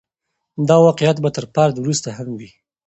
دا واقعیت به تر فرد وروسته هم وي.